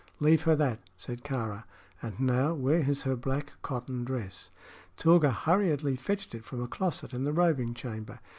"Leave her that," said Kāra. "And now, where is her black cotton dress?" Tilga hurriedly fetched it from a closet in the robing chamber.